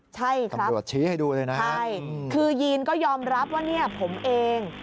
ใช่ค่ะตำรวจชี้ให้ดูเลยนะฮะใช่คือยีนก็ยอมรับว่าเนี่ยผมเอง